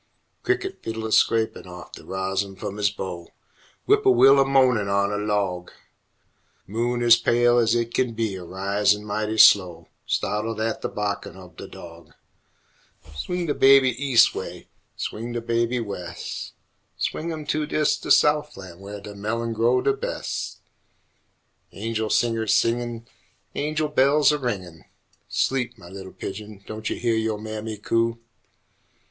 Cricket fiddleh scrapin' off de rozzum f'um 'is bow, Whippo'will a mo'nin' on a lawg; Moon ez pale ez hit kin be a risin' mighty slow Stahtled at de bahkin' ob de dawg; Swing de baby Eas'way, Swing de baby Wes', Swing 'im to'ds de Souflan' whah de melon grow de bes'! Angel singers singin', Angel bells a ringin', Sleep, mah li'l pigeon, don' yo' heah yo' mammy coo?